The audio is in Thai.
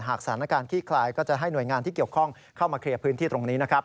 สถานการณ์ขี้คลายก็จะให้หน่วยงานที่เกี่ยวข้องเข้ามาเคลียร์พื้นที่ตรงนี้นะครับ